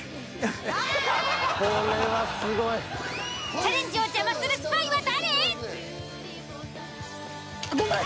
チャレンジを邪魔するスパイは誰？